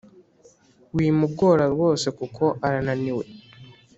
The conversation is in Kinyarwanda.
Wimugora rwose kuko arananiwwe